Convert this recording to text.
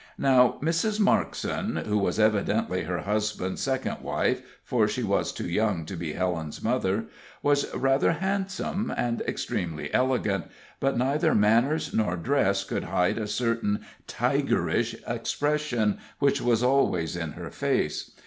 Now, Mrs. Markson who was evidently her husband's second wife, for she was too young to be Helen's mother was rather handsome and extremely elegant, but neither manners nor dress could hide a certain tigerish expression which was always in her face.